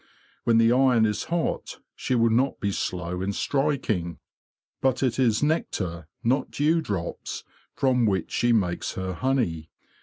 When the iron is hot, she will not be slow in striking. But it is nectar, not dewdrops, from which she makes her honey.